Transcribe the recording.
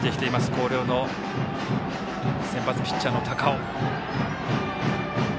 広陵の先発ピッチャーの高尾。